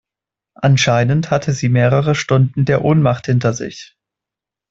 Anscheinend hatte sie mehrere Stunden der Ohnmacht hinter sich.